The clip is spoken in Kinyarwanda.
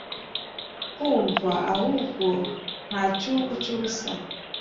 kumva ahubwo ntacyubu cyubusa